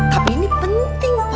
tapi ini penting pak